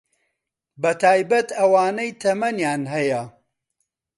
بەتایبەت ئەوانەی تەمەنیان هەیە